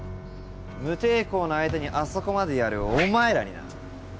無抵抗な相手にあそこまでやるお前らにな。